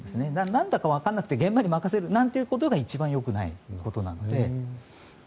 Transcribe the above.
なんだかわからなくて現場に任せるなんてことが一番よくないことなので。